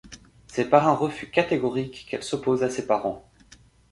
C'est par un refus catégorique qu'elle s'oppose à ses parents.